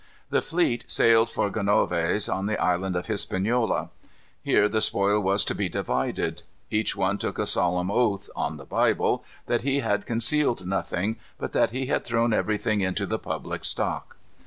The fleet sailed for Gonaves on the Island of Hispaniola. There the spoil was to be divided. Each one took a solemn oath, on the Bible, that he had concealed nothing, but that he had thrown everything into the public stock.